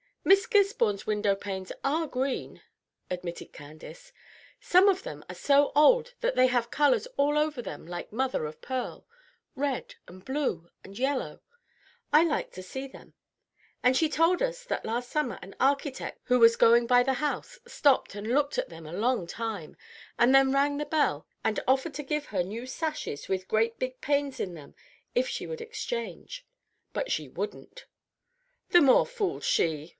"Miss Gisborne's window panes are green," admitted Candace. "Some of them are so old that they have colors all over them like mother of pearl, red and blue and yellow. I liked to see them; and she told us that last summer an architect who was going by the house stopped and looked at them a long time, and then rang the bell and offered to give her new sashes with great big panes in them if she would exchange; but she wouldn't." "The more fool she!"